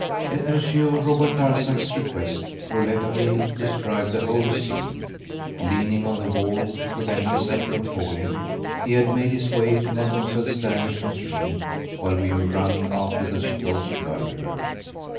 At Monsieur Robert Darzac's request Rouletabille described the whole scene. Leaning on the wall, to prevent himself from falling, he had made his way to Mademoiselle Stangerson's room, while we were running after the supposed murderer.